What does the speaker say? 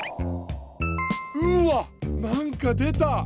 うわっなんかでた！